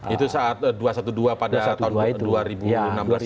itu saat dua satu dua pada tahun dua ribu enam belas itu ya